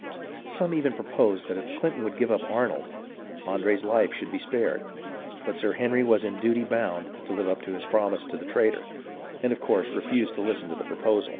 Some even proposed that if Clin ton would give up Arnold, Andre's life should be spared ; but Sir Henry was in duty bound to live up to his prom ise to the traitor, and of course refused to listen to the proposal.